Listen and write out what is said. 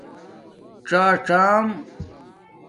څݳڅݳم